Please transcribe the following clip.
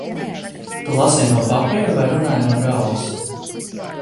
Tu lasīji no papīra vai runāji no galvas?